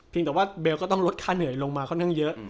แต่ว่าเบลก็ต้องลดค่าเหนื่อยลงมาค่อนข้างเยอะ